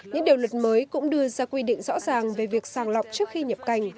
những điều lực mới cũng đưa ra quy định rõ ràng về việc sàng lọc trước khi nhập cành